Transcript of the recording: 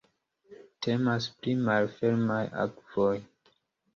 Temas pri malfermaj akvoj.